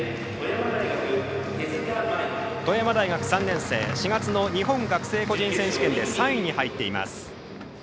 富山大学３年生４月の日本学生個人選手権で３位に入っています。